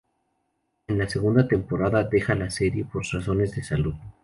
En la segunda temporada deja la serie por razones de salud.